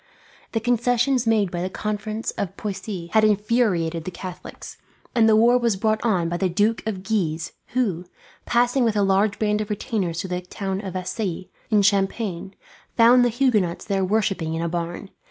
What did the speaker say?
The concessions made at the Conference of Poissy had infuriated the Catholics, and the war was brought on by the Duke of Guise who, passing with a large band of retainers through the town of Vassy in Champagne, found the Huguenots there worshipping in a barn.